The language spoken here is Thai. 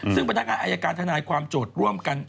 ซึ่งบรินักงานอายการธนายความโจทย์